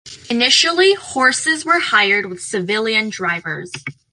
Initially, horses were hired with civilian drivers.